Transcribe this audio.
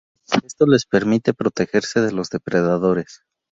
Esto les permite protegerse de los depredadores.